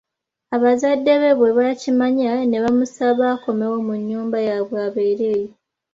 Abazadde be bwe bakimanya, ne bamusaba akomewo mu nnyumba yabwe abeere eyo.